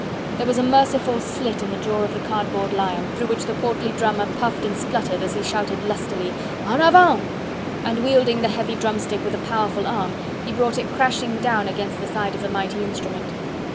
There was a merciful slit in the jaw of the cardboard lion, through which the portly drummer puffed and spluttered as he shouted lustily: "En avant!" And wielding the heavy drumstick with a powerful arm, he brought it crashing down against the side of the mighty instrument.